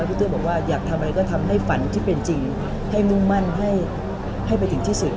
พี่เต้ยบอกว่าอยากทำอะไรก็ทำให้ฝันที่เป็นจริงให้มุ่งมั่นให้ไปถึงที่สุด